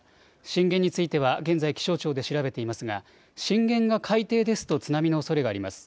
震源については現在、気象庁で調べていますが震源が海底ですと津波のおそれがあります。